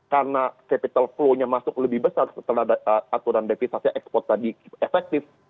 karena capital flow nya masuk lebih besar setelah aturan depisasinya ekspor tadi efektif